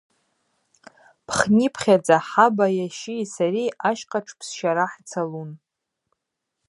Пхнипхьадза хӏаба йащи сари ащхъа тшпсщара хӏцалун.